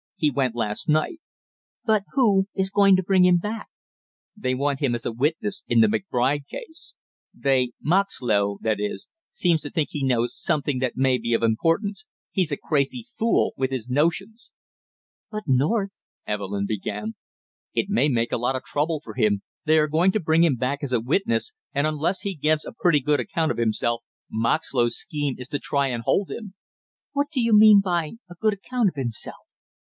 He went last night." "But who is going to bring him back?" "They want him as a witness in the McBride case. They Moxlow, that is seems to think he knows something that may be of importance. He's a crazy fool, with his notions!" "But North " Evelyn began. "It may make a lot of trouble for him. They are going to bring him back as a witness, and unless he gives a pretty good account of himself, Moxlow's scheme is to try and hold him " "What do you mean by a good account of himself?"